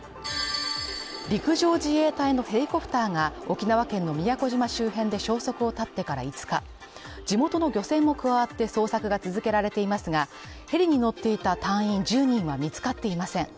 陸上自衛隊のヘリコプターが沖縄県の宮古島周辺で消息を絶ってから５日地元の漁船も加わって捜索が続けられていますが、ヘリに乗っていた隊員１０人は見つかっていません。